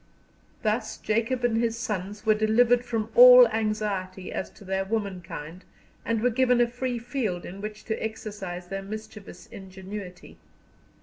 Thus Jacob and his sons were delivered from all anxiety as to their womankind, and were given a free field in which to exercise their mischievous ingenuity.